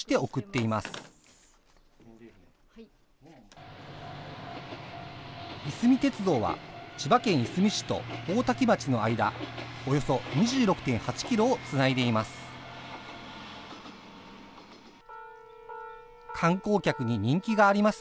いすみ鉄道は、千葉県いすみ市と大多喜町の間、およそ２６．８キロをつないでいます。